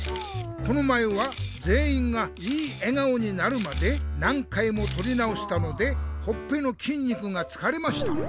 この前はぜんいんがいい笑顔になるまで何回もとり直したのでほっぺのきんにくがつかれました。